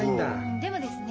でもですね